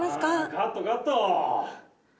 カット、カット！